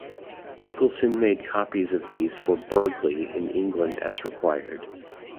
Nicholson made copies of these for Burghley in England as required.